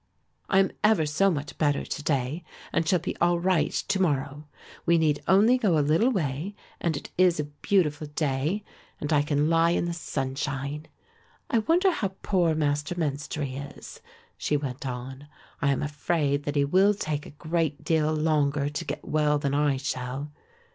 I am ever so much better to day and shall be all right to morrow. We need only go a little way and it is a beautiful day, and I can lie in the sunshine. I wonder how poor Master Menstrie is," she went on. "I am afraid that he will take a great deal longer to get well than I shall.